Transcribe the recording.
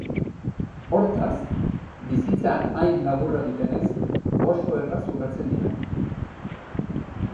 Hortaz, bizitza hain laburra dutenez, oso erraz ugaltzen dira.